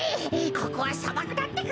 ここはさばくだってか。